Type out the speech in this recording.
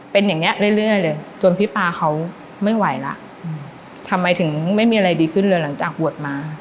เป็นอย่างนี้เรื่อยเลยจนพี่ป๊าเขาไม่ไหวแล้วทำไมถึงไม่มีอะไรดีขึ้นเลยหลังจากบวชมา